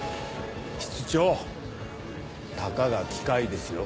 室長たかが機械ですよ。